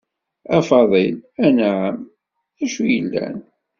A Faḍil. anɛem, acu i yellan?